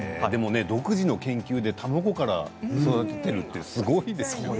独自の研究で卵から育てているってすごいですよね。